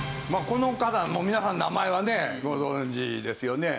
この方は皆さん名前はねご存じですよね。